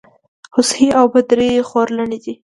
هوسۍ او بدرۍ خورلڼي دي.